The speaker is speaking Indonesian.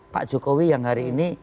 pak jokowi yang hari ini